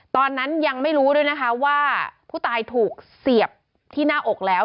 ตอนนั้นยังไม่รู้ด้วยนะคะว่าผู้ตายถูกเสียบที่หน้าอกแล้ว